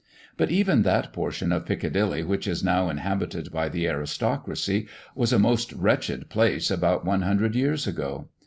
But even that portion of Piccadilly which is now inhabited by the aristocracy was a most wretched place about one hundred years ago.